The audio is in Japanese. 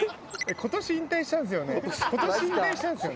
今年引退したんですよね？